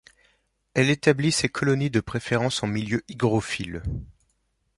Elle établit ses colonies de préférence en milieu hygrophile.